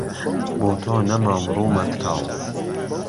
بۆ تۆ نهمام روومهت کاڵ